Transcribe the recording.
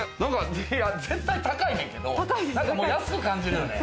絶対高いねんけど何かもう安く感じるよね。